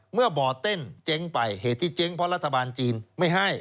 บ่อเต้นเจ๊งไปเหตุที่เจ๊งเพราะรัฐบาลจีนไม่ให้